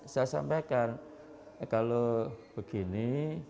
saya sampaikan kalau begini